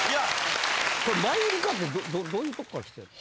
マユリカってどういうとこから来てんの？